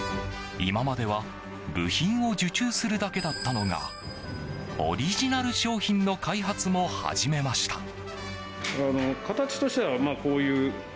今までは部品を受注するだけだったのがオリジナル商品の開発も始めました。